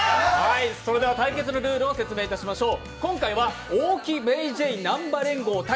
対決のルールを説明いたしましょう。